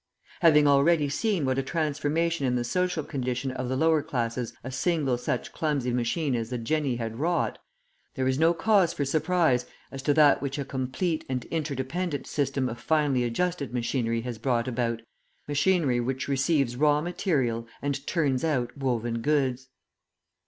Having already seen what a transformation in the social condition of the lower classes a single such clumsy machine as the jenny had wrought, there is no cause for surprise as to that which a complete and interdependent system of finely adjusted machinery has brought about, machinery which receives raw material and turns out woven goods.